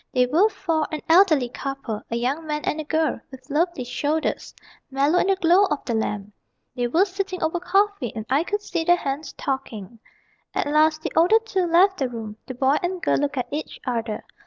They were four: an elderly couple, A young man, and a girl with lovely shoulders Mellow in the glow of the lamp. They were sitting over coffee, and I could see their hands talking. At last the older two left the room. The boy and girl looked at each other....